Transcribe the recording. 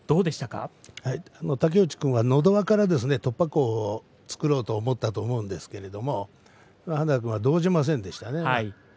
竹内君はのど輪から突破口を作ろうと思ったと思いますが花田君は動じませんでしたね。